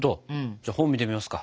じゃあ本見てみますか？